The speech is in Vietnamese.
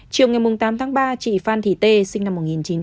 chiều ngày tám tháng ba chị phan thị tê sinh năm một nghìn chín trăm bảy mươi